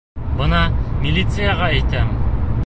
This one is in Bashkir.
Бына милицияға әйтәм!